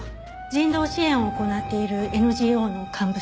人道支援を行っているＮＧＯの幹部スタッフ。